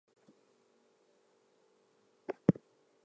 Romantic fantasy has been published by both fantasy lines and romance lines.